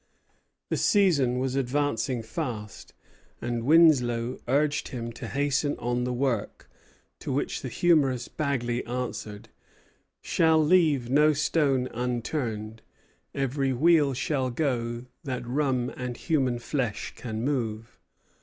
The season was advancing fast, and Winslow urged him to hasten on the work; to which the humorous Bagley answered: "Shall leave no stone unturned; every wheel shall go that rum and human flesh can move."